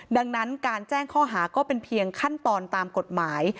ดังนั้นการแจ้งข้อหาก็เป็นเพียงขั้นตอนตามกฎหมาย